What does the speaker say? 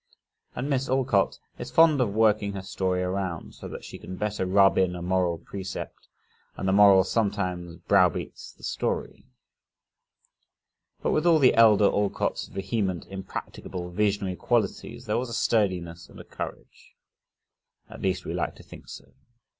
And Miss Alcott is fond of working her story around, so that she can better rub in a moral precept and the moral sometimes browbeats the story. But with all the elder Alcott's vehement, impracticable, visionary qualities, there was a sturdiness and a courage at least, we like to think so.